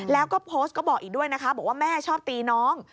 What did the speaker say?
แล้วก็โพสต์ก็บอกอีกด้วยนะคะบอกว่าแม่ชอบตีน้อง